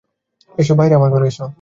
এসো, বাইরে আমার ঘরে এসো।